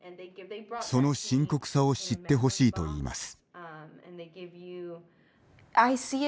その深刻さを知ってほしいといいます。